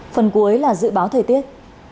phần cuối là dự báo thời tiết